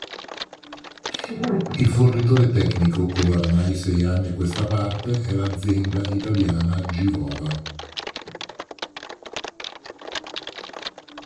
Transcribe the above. Il fornitore tecnico, come oramai sei anni a questa parte, è l'azienda italiana Givova.